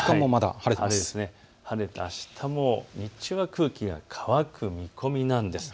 晴れてあしたも日中は空気が乾く見込みなんです。